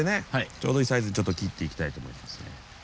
ちょうどいいサイズに切っていきたいと思いますね。